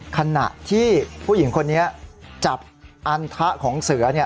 ขณะที่ผู้หญิงคนนี้จับอันทะของเสือ